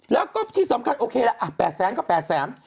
แล้วก็ที่สำคัญโอเคละ๘แสนก็๘แสน